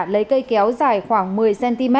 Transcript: lấy cây kéo dài khoảng một mươi cm